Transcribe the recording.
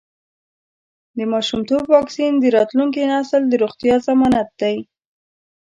د ماشومتوب واکسین د راتلونکي نسل د روغتیا ضمانت دی.